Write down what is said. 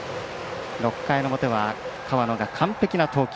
６回の表は河野が完璧な投球。